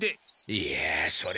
いやそれ